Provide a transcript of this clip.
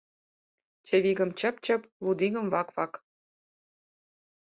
Чывигым «чып-чып», лудигым «вак-вак»